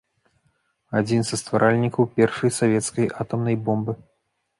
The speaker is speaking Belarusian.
Адзін са стваральнікаў першай савецкай атамнай бомбы.